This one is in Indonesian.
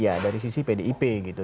ya dari sisi pdip gitu